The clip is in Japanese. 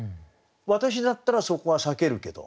私だったらそこは避けるけど。